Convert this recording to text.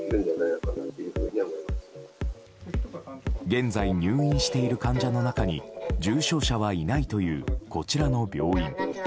現在、入院している患者の中に重症者はいないというこちらの病院。